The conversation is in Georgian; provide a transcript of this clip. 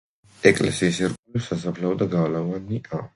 ეკლესიის ირგვლივ სასაფლაო და გალავანია.